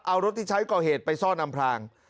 เอารถที่ใช้ก่อเหตุไปซ่อนอำพลาง